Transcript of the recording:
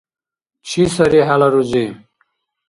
Чи сари хӀела рузи?